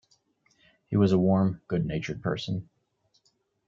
He was a warm, good-natured person.